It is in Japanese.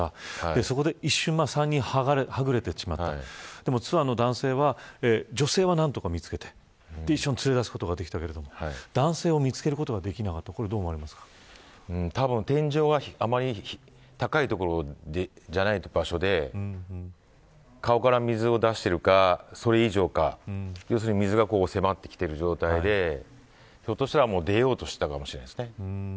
そこで一瞬３人はぐれてしまったでもツアーの男性は女性は何とか見つけて一緒に連れ出すことはできたけれども男性は見つけることができなかったのは天井は、あまり高くなくて水から顔を出しているかそれ以上か要するに水が迫ってきている状況でひょっとしたらもう出ようとしていたかもしれないですね。